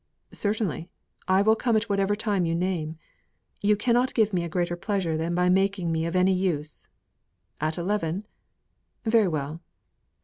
"Certainly. I will come at whatever time you name. You cannot give me a greater pleasure than by making me of any use. At eleven? Very well."